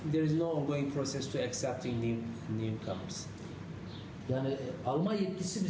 dan sekarang tidak ada proses yang berlangsung untuk menerima aliran pengungsi baru